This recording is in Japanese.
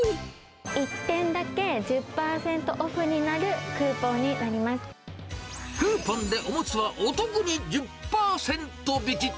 １点だけ１０％オフになるククーポンで、おむつはお得に１０％引き。